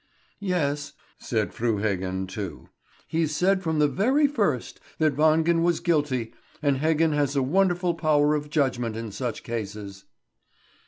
"Yes," said Fru Heggen, too; "he's said from the very first that Wangen was guilty, and Heggen has a wonderful power of judgment in such cases."